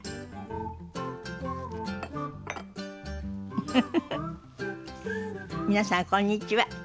フフフフ皆さんこんにちは。